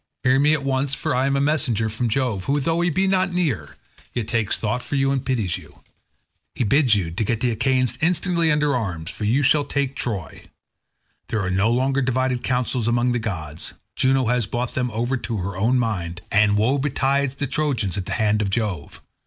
Hear me at once, for I am a messenger from Jove, who, though he be not near, yet takes thought for you and pities you. He bids you get the Achaeans instantly under arms, for you shall take Troy. There are no longer divided counsels among the gods; Juno has brought them over to her own mind, and woe betides the Trojans at the hands of Jove.